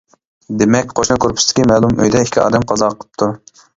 دېمەك، قوشنا كورپۇستىكى مەلۇم ئۆيدە ئىككى ئادەم قازا قىپتۇ.